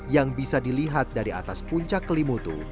yang bisa dilihat dari atas puncak kelimutu